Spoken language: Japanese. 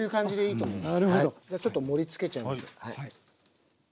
じゃあちょっと盛りつけちゃいます。